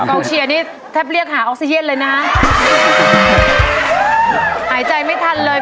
กองเชียร์นี่แทบเรียกหาออกซิเจนเลยนะหายใจไม่ทันเลย